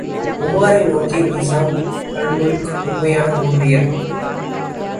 உமாரை நோக்கி, Nizam al Mulk உண்மையான ஊழியர்.